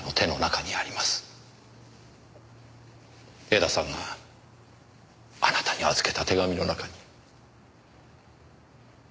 江田さんがあなたに預けた手紙の中に。